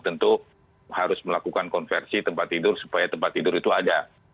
tentu harus melakukan konversi tempat tidur supaya tempat tidur itu ada